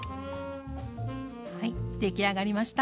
はい出来上がりました。